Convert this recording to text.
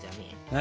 何？